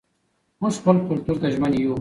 موږ خپل کلتور ته ژمن یو.